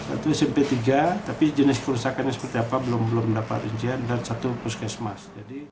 itu smp tiga tapi jenis kerusakan ini seperti apa belum dapat rinjian dan satu puskesmas